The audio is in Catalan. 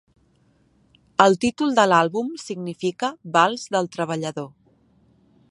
El títol de l'àlbum significa "Vals del treballador".